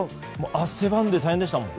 汗ばんで大変でしたもん